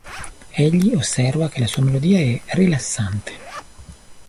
Egli osserva che la sua melodia è "rilassante".